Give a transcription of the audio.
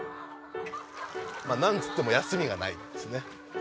まあなんつっても休みがないですね。